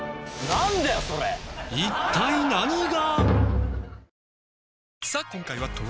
一体何が？